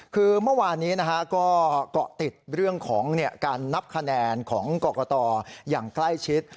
คือเมื่อวานนี้ก็เกาะติดเรื่องของการนับคะแนนของกรกตอย่างใกล้ชิด